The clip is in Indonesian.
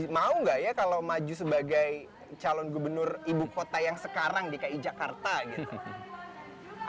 mau gak ya kalau maju sebagai calon gubernur ibukota yang sekarang dki jakarta gitu